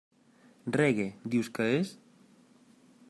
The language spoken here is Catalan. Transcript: Reggae, dius que és?